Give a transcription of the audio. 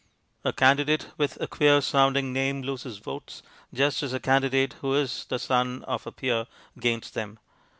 A candidate with a queer sounding name loses votes, just as a candidate who is the son of a peer gains them.